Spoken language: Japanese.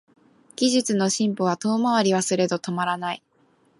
技術の進歩は遠回りはすれど止まらない